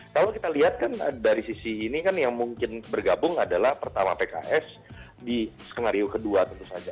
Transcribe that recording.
kalau kita lihat kan dari sisi ini kan yang mungkin bergabung adalah pertama pks di skenario kedua tentu saja